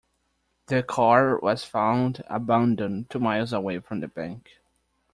The car was found abandoned two miles away from the bank.